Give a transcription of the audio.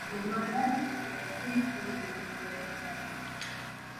Nammalvar is considered the fifth in the line of the twelve alwars.